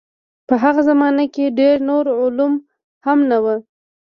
په هغه زمانه کې ډېر نور علوم هم نه وو.